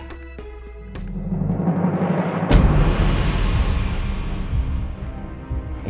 kita bisa menemukan identitas pemiliknya